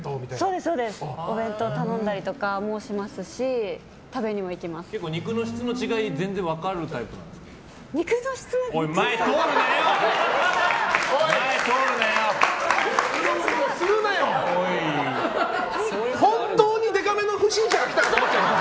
お弁当を頼んだりとかもしますし肉の質の違いは全然分かるタイプなんですか？